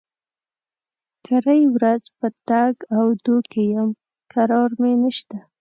کرۍ ورځ په تګ و دو کې يم؛ کرار مې نشته.